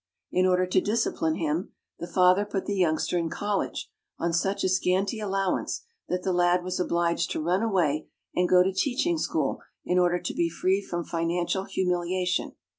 In order to discipline him, the father put the youngster in college on such a scanty allowance that the lad was obliged to run away and go to teaching school in order to be free from financial humiliation.